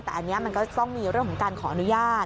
แต่อันนี้มันก็ต้องมีเรื่องของการขออนุญาต